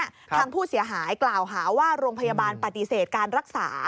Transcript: ทางผู้เสียหายกล่าวหาว่าโรงพยาบาลปฏิเสธการรักษา